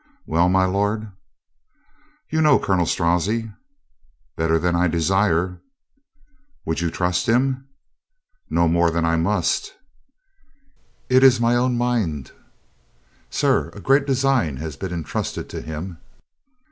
"Well, my lord?" "You know Colonel Strozzi?" "Better than I desire." "Would you trust him?" "No more than I must." "It is my own mind. Sir, a great design has been entrusted to him."